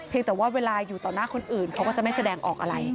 แต่ว่าเวลาอยู่ต่อหน้าคนอื่นเขาก็จะไม่แสดงออกอะไร